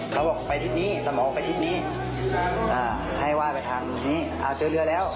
เขาบอกไปทิศนี้สมองไปทิศนี้ให้ว่าไปทางนี้เจอเรือแล้ว